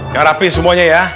garapin semuanya ya